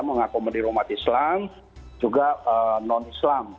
mengakomodir umat islam juga non islam